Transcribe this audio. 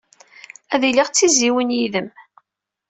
Ad iliɣ d tizzyiwin yid-m.